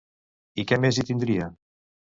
I què més hi tindria?